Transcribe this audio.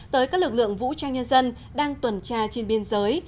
tới các lực lượng vũ trang nhân dân đang tuần tra trên biên giới